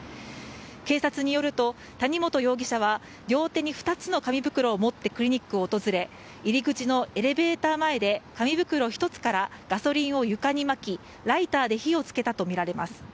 警察によると谷本容疑者は両手に２つの紙袋を持ってクリニックを訪れ入口のエレベーター前で紙袋一つからガソリンを床にまきライターで火をつけたとみられます。